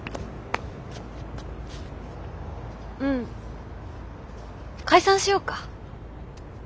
うん。解散しようか。